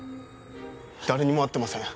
誰にも会ってません。